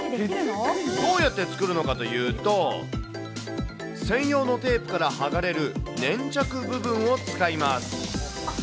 どうやって作るのかというと、専用のテープから剥がれる粘着部分を使います。